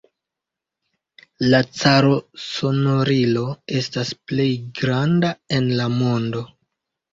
La Caro-Sonorilo estas plej granda en la mondo.